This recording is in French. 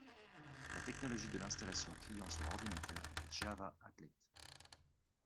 La technologie de l’installation client sur ordinateur est Java Applet.